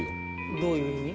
どういう意味？